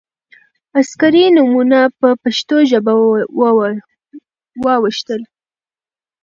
عسکري نومونه په پښتو ژبه واوښتل.